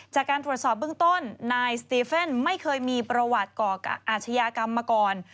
จากการตรวจสอบเบื้องต้นนายสตีเฟ่นไม่เคยมีประวัติก่ออาชญากรรมมาก่อน